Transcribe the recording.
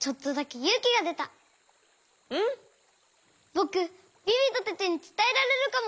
ぼくビビとテテにつたえられるかも！